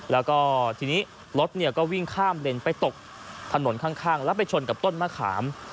แล้วก็ทีนี้รถก็วิ่งข้ามเลนไปตกถนนข้างแล้วไปชนกับต้นมะขาม